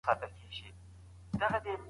غم مو له کوره لرې شه.